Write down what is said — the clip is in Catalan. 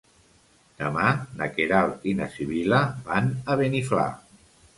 Demà na Queralt i na Sibil·la van a Beniflà.